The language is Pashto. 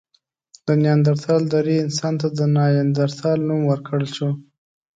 د نیاندرتال درې انسان ته د نایندرتال نوم ورکړل شو.